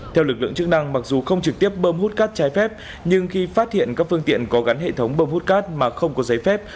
theo lực lượng chức năng mặc dù không trực tiếp bơm hút cát trái phép nhưng khi phát hiện các phương tiện có gắn hệ thống bơm hút cát mà không có giấy phép